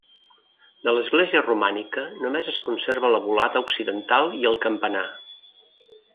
De l'església romànica només es conserva la volada occidental i el campanar.